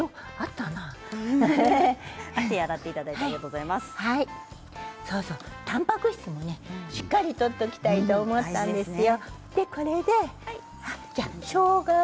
結構、量もあったらたんぱく質もしっかり取っておきたいと思ったんですよ。